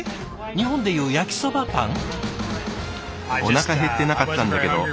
日本でいう焼きそばパン？